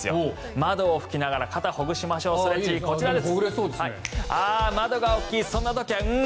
窓を拭きながら肩をほぐしましょうストレッチこちらです。